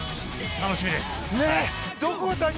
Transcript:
楽しみです。